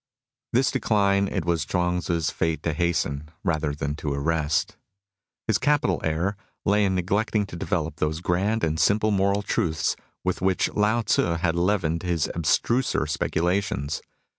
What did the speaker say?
This decline it was Chuang Tzu's fate to hasten rather than to arrest. His capital error lay in neglecting to develop those grand and simple moral truths with which Lao Tzu had leavened his abstruser speculations.